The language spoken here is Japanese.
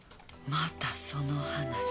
またその話。